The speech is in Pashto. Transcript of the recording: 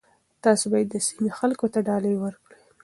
تاسي باید د سیمې خلکو ته ډالۍ ورکړئ.